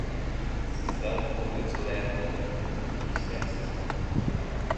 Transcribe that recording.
— Sizdan ko‘ngil so‘rayapti, eshityapsizmi?